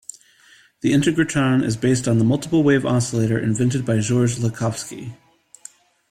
The Integratron is based on the Multiple Wave Oscillator invented by Georges Lakhovsky.